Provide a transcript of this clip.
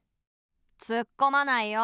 つっこまないよ。